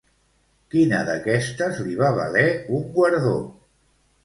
Quina d'aquestes li va valer un guardó?